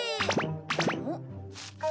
おっ？